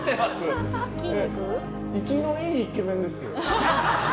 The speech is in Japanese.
生きのいいイケメンですよ。